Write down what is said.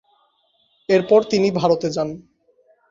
এরপর তিনি ভারতে যান।